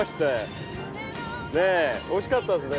ねぇ惜しかったですね。